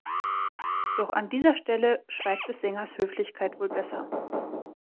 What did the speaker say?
Doch an dieser Stelle schweigt des Sängers Höflichkeit wohl besser.